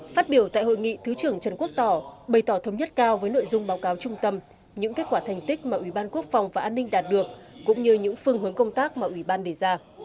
phát biểu tại hội nghị thứ trưởng trần quốc tỏ bày tỏ thống nhất cao với nội dung báo cáo trung tâm những kết quả thành tích mà ủy ban quốc phòng và an ninh đạt được cũng như những phương hướng công tác mà ủy ban đề ra